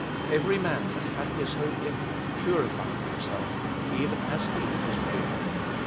"Every man that hath this hope in him purifieth himself, even as he is pure."